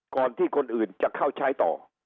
ก่อนที่คนอื่นจะเข้าใช้ต่อ